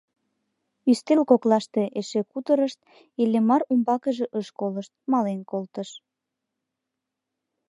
Ӱстел коклаште эше кутырышт, Иллимар умбакыже ыш колышт, мален колтыш.